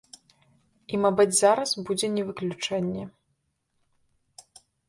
І мабыць зараз будзе не выключэнне.